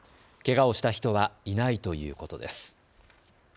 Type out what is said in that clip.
けがをした人はいないということです。